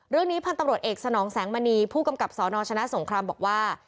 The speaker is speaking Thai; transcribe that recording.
เรื่องนี้พันธุ์ตำรวจเอกสนองแสงมณีผู้กำกับสนชนะสงครามบอกว่า